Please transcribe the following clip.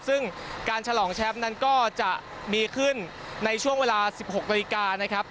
ซึ่งการฉลองแชมป์นั้นก็จะมีขึ้นในช่วงเวลา๑๖นาฬิกานะครับ